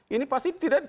ini pasti tidak sendiri